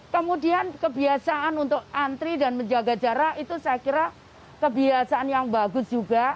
kemudian kebiasaan untuk antri dan menjaga jarak itu saya kira kebiasaan yang bagus juga